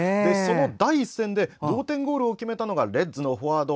第１戦で同点ゴールを決めたのがレッズのフォワード